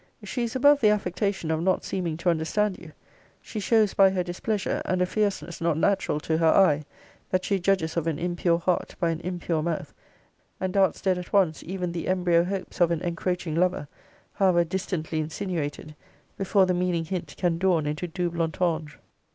She is above the affectation of not seeming to understand you. She shows by her displeasure, and a fierceness not natural to her eye, that she judges of an impure heart by an impure mouth, and darts dead at once even the embryo hopes of an encroaching lover, however distantly insinuated, before the meaning hint can dawn into double entendre.